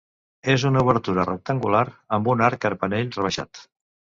És una obertura rectangular, amb un arc carpanell rebaixat.